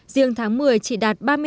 riêng tháng một mươi chỉ đạt ba mươi sáu